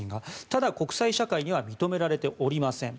ただ、国際社会には認められておりません。